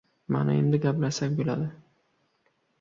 Mana endi gaplashsak boʻladi.